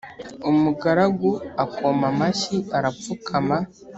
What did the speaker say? umugaragu akoma mashyi arapfukama